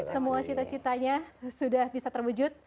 semua cita citanya sudah bisa terwujud